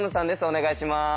お願いします。